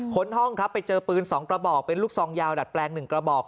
้นห้องครับไปเจอปืน๒กระบอกเป็นลูกซองยาวดัดแปลง๑กระบอก